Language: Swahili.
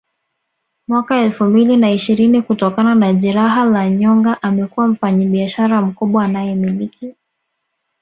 mwaka elfu mbili na ishirini kutokana na jeraha la nyonga amekuwa mfanyabishara mkubwa anayemiliki